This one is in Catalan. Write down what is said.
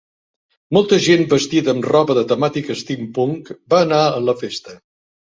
Molta gent vestida amb roba de temàtica steampunk va anar a la festa.